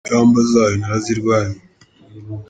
Ingamba zayo narazirwanye!